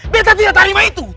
betta tidak tarima itu